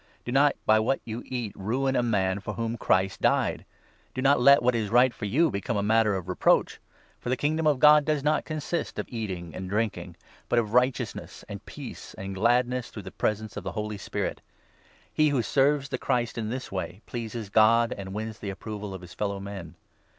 Do not, by what you eat, ruin a man for whom Christ died ! Do 16 not let what is right for you become a matter of reproach. For the Kingdom of God does not consist of eating and drink 17 ing, but of righteousness and peace and gladness through the presence of the Holy Spirit. He who serves the Christ in 18 this way pleases God, and wins the approval of his fellow ' men.